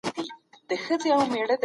الله دې موږ ته جنت نصیب کړي.